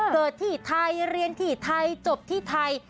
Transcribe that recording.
เกิดที่ไทยเรียนที่ไทยจบที่ไทย